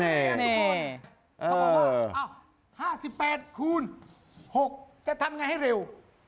เขาบอกว่า๕๘คูณ๖จะทำไงให้เร็ว